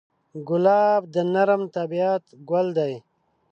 ګلاب د نرم طبعیت ګل دی.